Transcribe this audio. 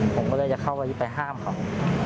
ผมก็เลยจะเข้าไปห้ามเขา